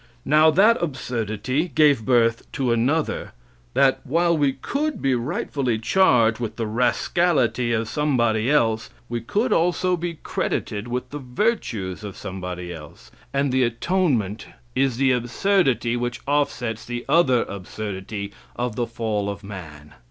Now, that absurdity gave birth to another that, while we could be rightfully charged with the rascality of somebody else, we could also be credited with the virtues of somebody else; and the atonement is the absurdity which offsets the other absurdity of the fall of man.